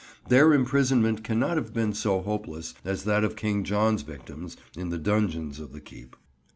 Their imprisonment cannot have been so hopeless as that of King John's victims, in the dungeons of the keep.